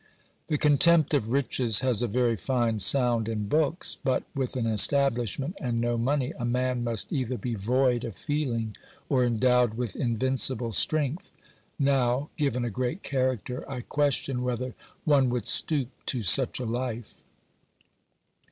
The contempt of riches has a very fine sound in books, but with an establishment and no money, a man must either be void of feeling or endowed with invincible strength; now, given a great character, I question whether one would stoop to such a life.